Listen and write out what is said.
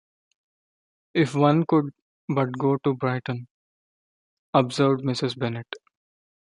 “If one could but go to Brighton!” observed Mrs. Bennet.